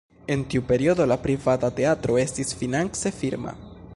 En tiu periodo la privata teatro estis finance firma.